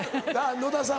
野田さん